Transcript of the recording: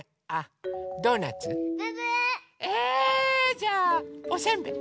じゃあおせんべい！